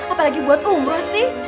apalagi buat umroh sih